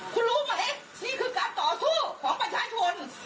คุณรู้ไหมนี่คือการต่อสู้ของประชาชน